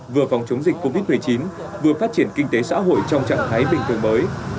vừa phòng chống dịch covid một mươi chín vừa phát triển kinh tế xã hội trong trạng thái bình thường mới